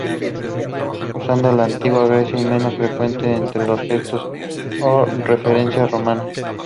Usado en la Antigua Grecia y menos frecuente entre los restos o referencias romanas.